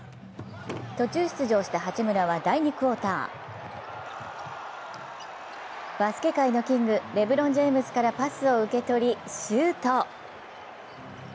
途中出場した八村は第２クオーターバスケ界のキングレブロン・ジェームズからパスを受け取りシュート。